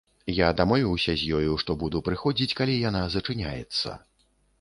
Я дамовіўся з ёю, што буду прыходзіць, калі яна зачыняецца.